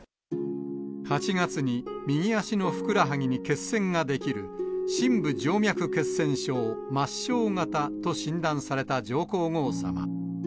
８月に右足のふくらはぎに血栓が出来る、深部静脈血栓症・末しょう型と診断された上皇后さま。